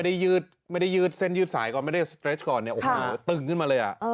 ถ้าไม่ได้ยืดเส้นยืดสายก่อนไม่ได้ยืดสไตรก่อนตึงขึ้นมาเลย